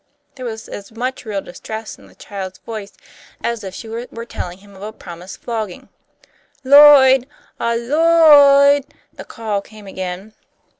There was as much real distress in the child's voice as if she were telling him of a promised flogging. "Lloyd! Aw, Lloy eed!" the call came again.